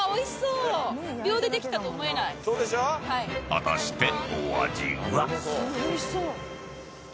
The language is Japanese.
［果たしてお味は？］